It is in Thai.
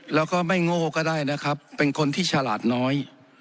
แล้วก็ไม่โง่ก็ได้นะครับเป็นคนที่ฉลาดน้อย